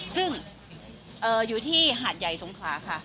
ซึ่งอยู่ที่หาดใหญ่สงขลาค่ะ